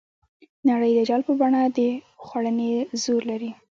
نړۍ د جال په بڼه د خوړنې زور لري.